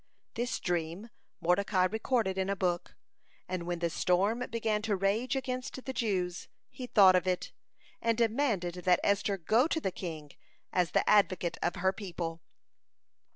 (132) This dream Mordecai recorded in a book, and when the storm began to rage against the Jews, he thought of it, and demanded that Esther go to the king as the advocate of her people.